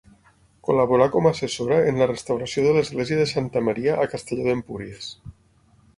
Col·laborà com a assessora en la restauració de l'església de Santa Maria a Castelló d'Empúries.